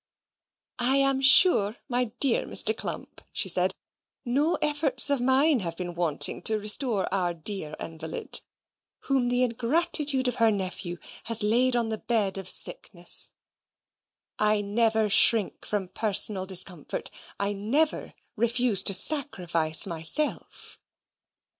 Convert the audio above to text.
"I am sure, my dear Mr. Clump," she said, "no efforts of mine have been wanting to restore our dear invalid, whom the ingratitude of her nephew has laid on the bed of sickness. I never shrink from personal discomfort: I never refuse to sacrifice myself."